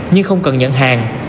nhưng không cần nhận hàng